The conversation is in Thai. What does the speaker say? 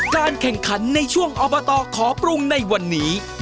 การแข่งขันในช่วงอบตขอปรุงในวันนี้